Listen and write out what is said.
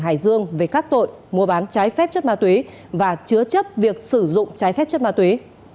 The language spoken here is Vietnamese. hải dương về các tội mua bán trái phép chất ma túy và chứa chấp việc sử dụng trái phép chất ma túy